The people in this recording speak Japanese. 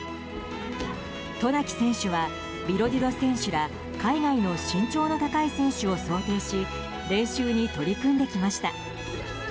渡名喜選手はビロディド選手ら海外の身長の高い選手を想定し練習に取り組んできました。